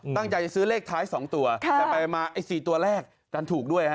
ตั้งใจจะซื้อเลขท้าย๒ตัวแต่ไปมาไอ้๔ตัวแรกดันถูกด้วยฮะ